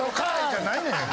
じゃないねん。